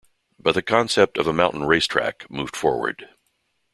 But the concept of a "mountain race track" moved forward.